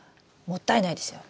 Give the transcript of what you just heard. もったいないですよ。